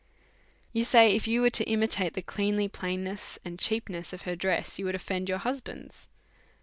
You say, if you were to imitate the cleanly plain ness and cheapness of her dress, you should oifend your husbands.